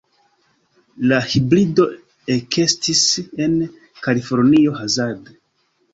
La hibrido ekestis en Kalifornio hazarde.